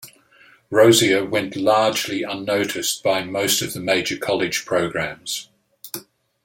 Rozier went largely unnoticed by most of the major college programs.